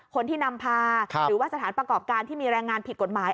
คนที่นำพาหรือว่าสถานประกอบการที่มีแรงงานผิดกฎหมาย